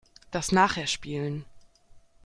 Das nachher spielen.